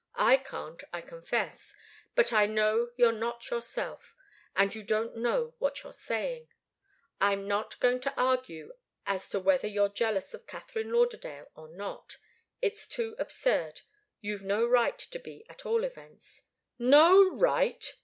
"I can't, I confess. But I know you're not yourself, and you don't know what you're saying. I'm not going to argue as to whether you're jealous of Katharine Lauderdale, or not. It's too absurd! You've no right to be, at all events " "No right!"